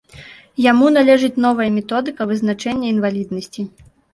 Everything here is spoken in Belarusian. Яму належыць новая методыка вызначэння інваліднасці.